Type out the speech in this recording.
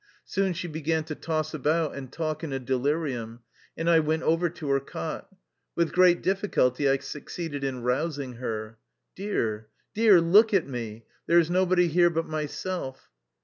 Soon she began to toss about and talk in a delirium, and I went over to her cot. With great difficulty I succeeded in rous ing her. " Dear, dear, look at me ! There is nobody here but myself.''